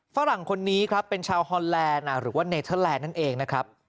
ฝรั่งคนนี้ครับเป็นชาวฮอนแลนด์หรือว่าเนเทอร์แลนด์นั่นเองนะครับ